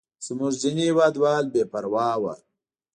زموږ ځینې هېوادوال بې پروا وو.